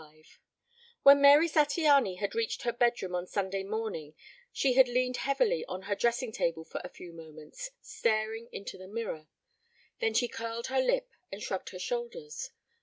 XXXV When Mary Zattiany had reached her bedroom on Sunday morning she had leaned heavily on her dressing table for a few moments, staring into the mirror. Then she curled her lip and shrugged her shoulders.